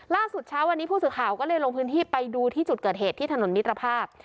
เช้าวันนี้ผู้สื่อข่าวก็เลยลงพื้นที่ไปดูที่จุดเกิดเหตุที่ถนนมิตรภาพ